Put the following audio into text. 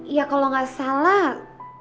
ya kalo gak salah